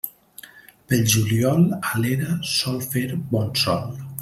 Pel juliol, a l'era sol fer bon sol.